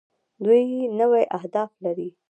دوی نوي اهداف لري.